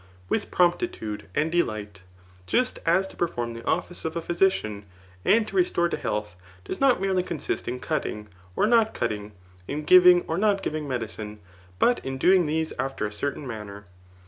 with promptitude and delight ;] just as to perform the office of a physician, and to restore to health, does not merely consist in cutting, or not cut ting, in giving or not giving medicine, but in doing these after a certain manner.